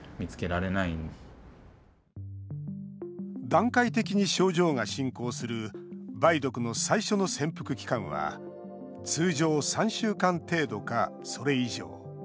段階的に症状が進行する梅毒の最初の潜伏期間は通常３週間程度か、それ以上。